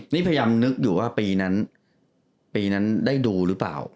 นี่พยายามนึกอยู่ว่าปีนั้นปีนั้นได้ดูหรือเปล่า